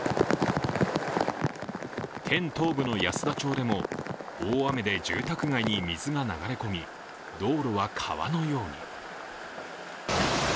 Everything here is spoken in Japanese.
県東部の安田町でも大雨で住宅街に水が流れ込み、道路は川のように。